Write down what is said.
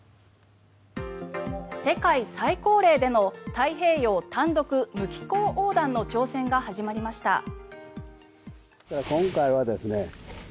世界最高齢での太平洋単独無寄港横断の挑戦が始まりました。